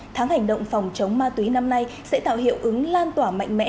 tháng hành động phòng chống ma túy năm nay sẽ tạo hiệu ứng lan tỏa mạnh mẽ